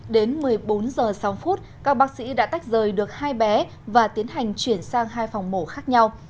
đến một mươi bốn h sáu phút các bác sĩ đã tách rời được hai bé và tiến hành chuyển sang hai phòng mổ khác nhau